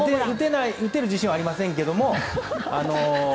打てる自信はありませんけども。